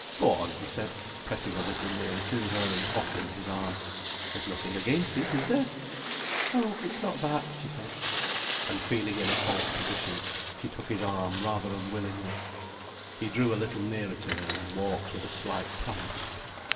"Go on," he said, pressing a little nearer to her, and offering his arm. "There's nothing against it, is there?" "Oh, it's not that," she said. And feeling in a false position, she took his arm, rather unwillingly. He drew a little nearer to her, and walked with a slight prance.